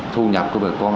thu nhập của bà con